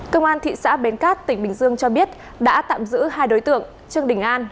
công an thị xã bến cát tỉnh bình dương cho biết đã tạm giữ hai đối tượng trương đình an